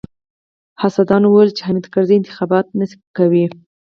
حاسدانو ويل چې حامد کرزی انتخابات نه کوي.